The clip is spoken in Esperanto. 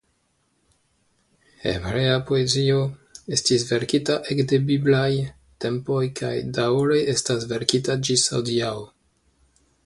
Hebrea poezio estis verkita ekde bibliaj tempoj kaj daŭre estas verkita ĝis hodiaŭ.